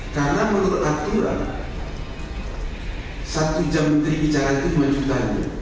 karena menurut aturan satu jam menteri bicara itu lima jutaan